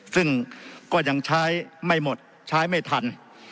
ซึ่งก็ยังใช้ไม่หมดใช้ไม่ทัน